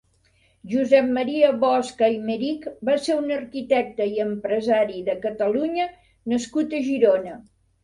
Josep Maria Bosch Aymerich va ser un arquitecte i empresari de Catalunya nascut a Girona.